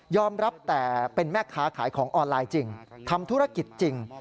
รับแต่เป็นแม่ค้าขายของออนไลน์จริงทำธุรกิจจริง